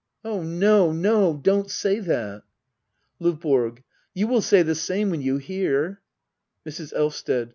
Oh no, no — don't say that ! LdVBORO. You will say the same when you hear Mrs. Elvsted.